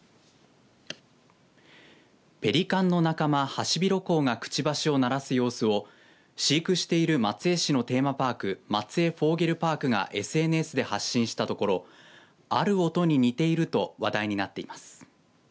ペリカンの仲間、ハシビロコウがくちばしを鳴らす様子を飼育している松江市のテーマパーク松江フォーゲルパークがＳＮＳで発信したところある音に似ていると話題になっています。